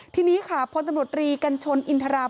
ทีนี้ค่ะพลตำรวจรีกัญชนอินทราม